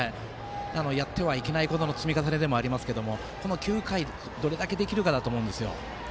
やってはいけないことの積み重ねでもありますがこの９回、どれだけできるかだと思うんですよ。